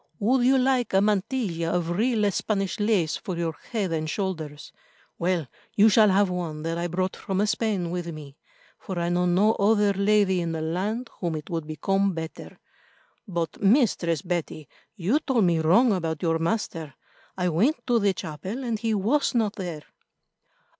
"Would you like a mantilla of real Spanish lace for your head and shoulders? Well, you shall have one that I brought from Spain with me, for I know no other lady in the land whom it would become better. But, Mistress Betty, you told me wrong about your master. I went to the chapel and he was not there."